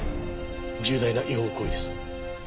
重大な違法行為です。